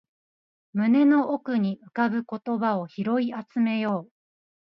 胸の奥に浮かぶ言葉を拾い集めよう